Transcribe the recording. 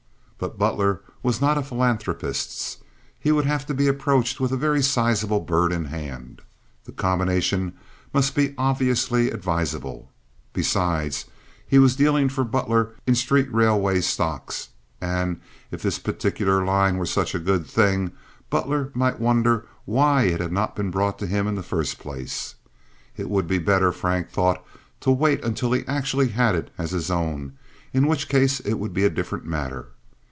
But Butler was not a philanthropist. He would have to be approached with a very sizable bird in hand. The combination must be obviously advisable. Besides, he was dealing for Butler in street railway stocks, and if this particular line were such a good thing Butler might wonder why it had not been brought to him in the first place. It would be better, Frank thought, to wait until he actually had it as his own, in which case it would be a different matter.